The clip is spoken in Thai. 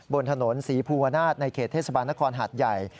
บนถนนศรีภูวนาศในเขตเทศบาลนครหาดใหญ่